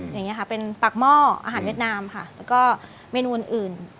อย่างนี้ค่ะเป็นปากหม้ออาหารเวียดนามค่ะแล้วก็เมนูอื่น